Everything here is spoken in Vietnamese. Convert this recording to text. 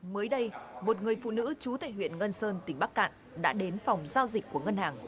mới đây một người phụ nữ trú tại huyện ngân sơn tỉnh bắc cạn đã đến phòng giao dịch của ngân hàng